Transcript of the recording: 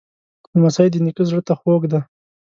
لمسی د نیکه زړه ته خوږ دی.